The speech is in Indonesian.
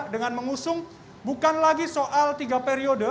dengan mengusung bukan lagi soal tiga periode